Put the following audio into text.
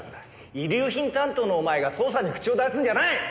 遺留品担当のお前が捜査に口を出すんじゃない！